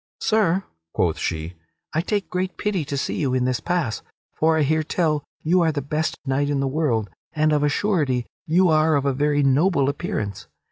"Sir," quoth she, "I take great pity to see you in this pass, for I hear tell you are the best knight in the world and, of a surety, you are of a very noble appearance.